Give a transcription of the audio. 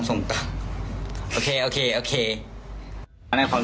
หนูห้าร้องเหิง